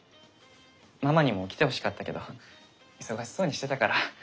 ママにも来てほしかったけど忙しそうにしてたから。